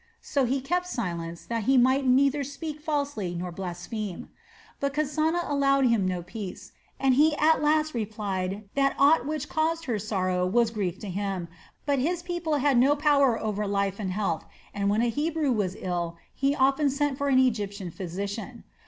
So he kept silence that he might neither speak falsely nor blaspheme; but Kasana allowed him no peace, and he at last replied that aught which caused her sorrow was grief to him, but his people had no power over life and health, and when a Hebrew was ill, he often sent for an Egyptian physician.